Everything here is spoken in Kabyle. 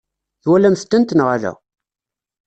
Twalamt-tent neɣ ala?